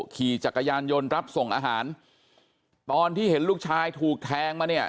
ขี่จักรยานยนต์รับส่งอาหารตอนที่เห็นลูกชายถูกแทงมาเนี่ย